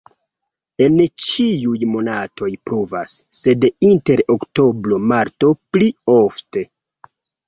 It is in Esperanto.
En ĉiuj monatoj pluvas, sed inter oktobro-marto pli ofte.